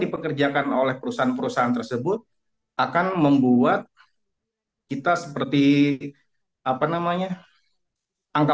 dipekerjakan oleh perusahaan perusahaan tersebut akan membuat kita seperti apa namanya angka